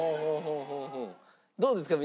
どうですか？